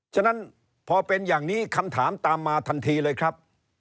ฉะนั้นพอเป็นอย่างนี้คำถามตามมาทันทีเลยครับ